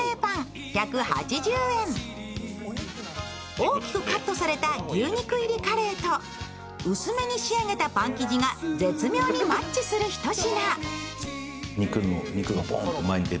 大きくカットされた牛肉入りカレーと薄めに仕上げたパン生地が絶妙にマッチする一品。